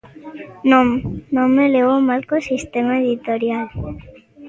Non, non me levo mal co sistema editorial.